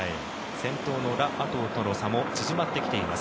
先頭のラ・アトウとの差も縮まってきています